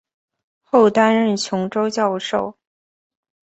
后担任琼州教授。